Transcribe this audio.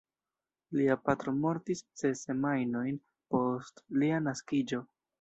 Lia patro mortis ses semajnojn post lia naskiĝo.